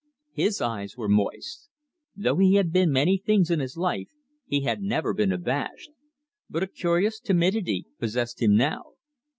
His eyes were moist. Though he had been many things in his life, he had never been abashed; but a curious timidity possessed him now.